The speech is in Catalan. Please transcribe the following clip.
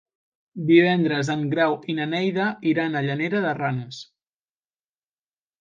Divendres en Grau i na Neida iran a Llanera de Ranes.